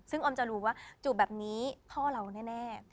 ซึ่งออมจะรู้ว่าจูบแบบนี้พ่อเราแน่